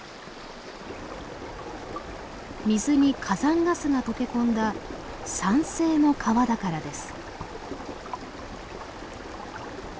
水に火山ガスが溶け込んだ酸性の川だからです。